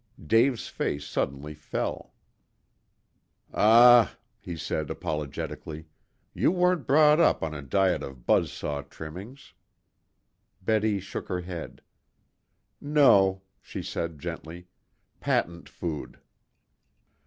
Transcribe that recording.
Dave's face suddenly fell. "Ah," he said apologetically, "you weren't brought up on a diet of buzz saw trimmings." Betty shook her head. "No," she said gently, "patent food."